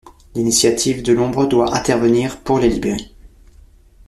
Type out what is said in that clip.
L'Initiative de l'Ombre doit intervenir pour les libérer.